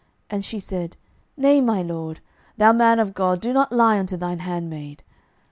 And she said, Nay, my lord, thou man of God, do not lie unto thine handmaid.